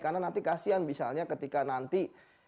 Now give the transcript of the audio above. karena nanti kasian misalnya ketika nanti